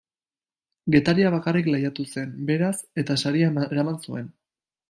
Getaria bakarrik lehiatu zen, beraz, eta saria eraman zuen.